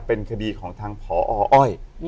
เป็นคดีของทางพออ้อย